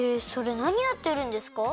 なにやってるんですか？